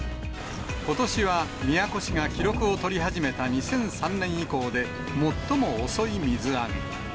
ことしは宮古市が記録を取り始めた、２００３年以降で、最も遅い水揚げ。